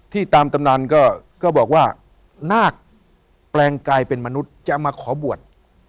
ตามตำนานก็บอกว่านาคแปลงกายเป็นมนุษย์จะมาขอบวช